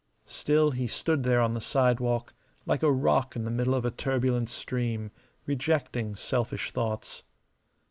Still he stood there on the sidewalk, like a rock in the middle of a turbulent stream, rejecting selfish thoughts.